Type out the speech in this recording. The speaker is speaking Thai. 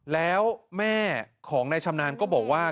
แล้วแม่ของนายชำนาญก็บอกว่า